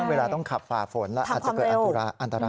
เวลาต้องขับฝ่าฝนแล้วอาจจะเกิดอันตราย